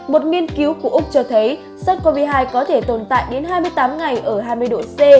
một nghiên cứu của úc cho thấy sars cov hai có thể tồn tại đến hai mươi tám ngày ở hai mươi độ c